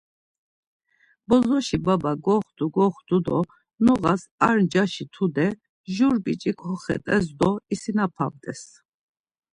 Bozoşi baba goxtu goxtu do noğas ar ncaşi tude jur biç̌i koxet̆es do isinapamt̆es.